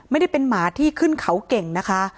ไม่ได้เป็นหมาที่ขึ้นเขาเก่งนะคะ